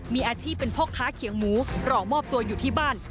มีอาทิตย์เป็นพกค้าเขียงหมูหล่อมอบตัวอยู่ที่บ้าน